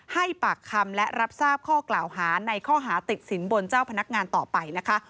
ให้ปากคำและรับทราบข้อกล่าวหาในข้อหาติดสินบนเจ้าพนักงานต่อไปนะคะ